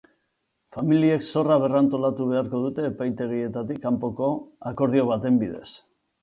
Familiek zorra berrantolatu beharko dute epaitegietatik kanpoko akordio baten bidez.